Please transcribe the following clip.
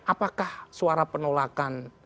apakah suara penolakan